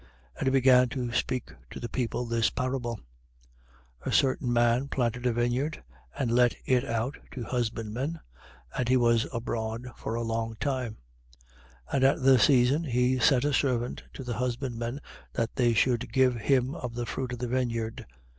20:9. And he began to speak to the people this parable: A certain man planted a vineyard and let it out to husbandmen: and he was abroad for a long time. 20:10. And at the season he sent a servant to the husbandmen, that they should give him of the fruit of the vineyard.